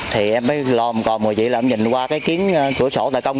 thì em mới lo một cò mùa dị là em nhìn qua cái kiến cửa sổ tài công